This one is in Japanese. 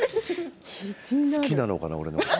好きなのかな、俺のこと。